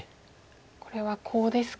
これはコウですか。